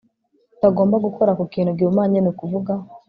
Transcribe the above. tutagomba gukora ku kintu gihumanye Ni ukuvuga